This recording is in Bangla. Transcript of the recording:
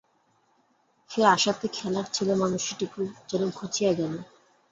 সে আসাতে খেলার ছেলেমানুষিটুকু যেন ঘুচিয়া গেল।